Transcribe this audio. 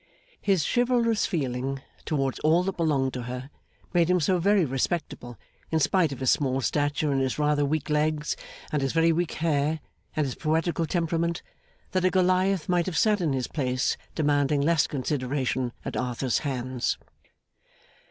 His chivalrous feeling towards all that belonged to her made him so very respectable, in spite of his small stature and his rather weak legs, and his very weak hair, and his poetical temperament, that a Goliath might have sat in his place demanding less consideration at Arthur's hands.